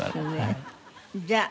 じゃあ。